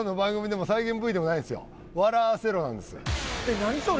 何それ？